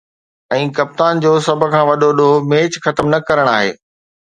۽ ڪپتان جو سڀ کان وڏو ”ڏوهه“ ميچ ختم نه ڪرڻ آهي